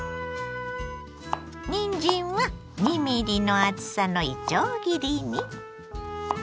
にんじんは２ｍｍの厚さのいちょう切りに。